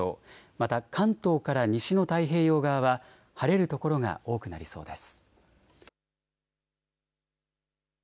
また関東から西の太平洋側は晴れる所が多くなりそうです。